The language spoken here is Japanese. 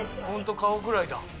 本当顔ぐらいだ。